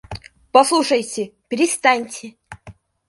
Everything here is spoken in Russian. — Послушайте, перестаньте!